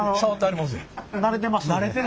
慣れてますので。